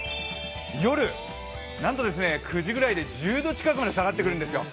夜、なんとですね９時ぐらいで１０度近くまで下がってくるんですよ。